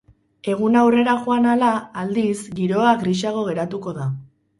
Eguna aurrera joan ahala, aldiz, giroa grisago geratuko da.